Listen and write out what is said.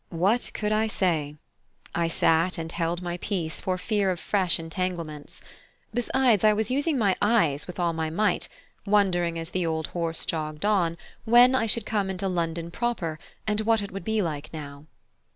What could I say? I sat and held my peace, for fear of fresh entanglements. Besides, I was using my eyes with all my might, wondering as the old horse jogged on, when I should come into London proper, and what it would be like now.